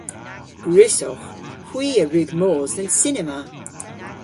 Gwrussowgh. Hwi a wrug mos dhe'n cinema.